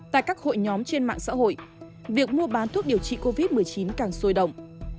tại các hội nhóm trên mạng xã hội việc mua bán thuốc điều trị covid một mươi chín càng sôi động